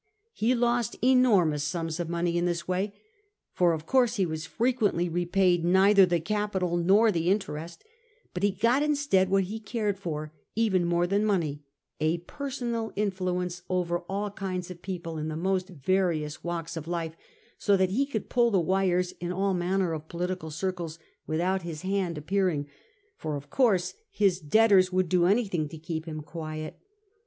He lost enormous sums of money in this way, for, of course, he was frequently repaid neither the capital nor the interest ; but he got instead what he cared for even more than money, a personal influence over all kinds of people in the most various walks of life, so that he could pull the wires in all manner of political circles without his hand appearing ; for, of course, his debtors would do anything to keep him quiet.